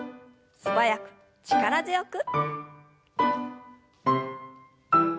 素早く力強く。